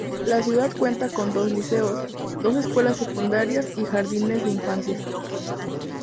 La ciudad cuenta con dos liceos, dos escuelas secundarias y jardines de infancia.